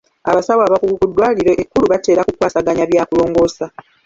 Abasawo abakugu ku ddwaliro ekkulu batera ku kwasaganya bya kulongoosa.